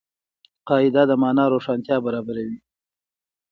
قاعده د مانا روښانتیا برابروي.